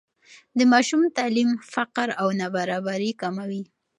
د ماشوم تعلیم فقر او نابرابري کموي.